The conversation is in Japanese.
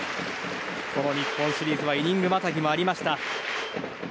この日本シリーズはイニングまたぎもありました。